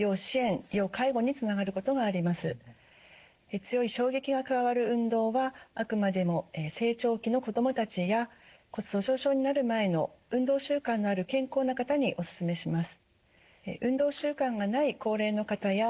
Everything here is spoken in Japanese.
強い衝撃が加わる運動はあくまでも成長期の子どもたちや骨粗しょう症になる前の運動習慣のある健康な方におすすめします。